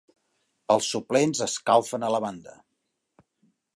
Els suplents escalfen a la banda.